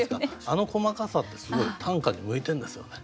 あの細かさってすごい短歌に向いてるんですよね。